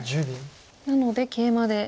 なのでケイマで。